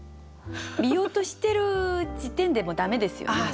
見ようとしてる時点でもう駄目ですよね。